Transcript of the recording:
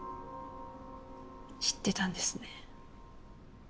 知ってたんですね。